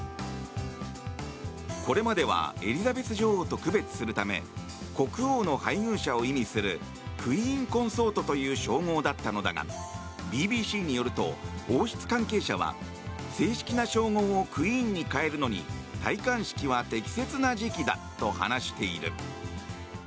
これまではエリザベス女王と区別するため国王の配偶者を意味するクイーン・コンソートという称号だったのだがＢＢＣによると、王室関係者は正式な称号をクイーンに変えるのに戴冠式は適切な時期だと話している。